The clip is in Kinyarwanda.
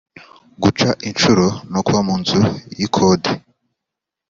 guca incuro no kuba mu nzu y’ikode